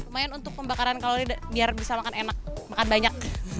makanan kalau ini biar bisa makan enak makan banyak